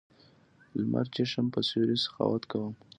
لمر چېښم په سیوري سخاوت کوم